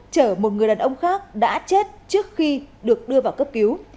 chở một người đàn ông khác đã chết trước khi được đưa vào cấp cứu